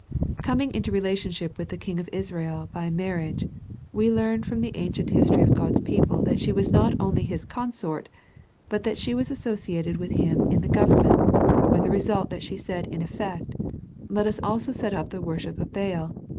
Coming into relationship with the king of Israel by marriage, we learn from the ancient history of God's people that she was not only his consort, but that she was associated with him in the government, with the result that she said in effect, * Let us also set up the wor ship of Baal.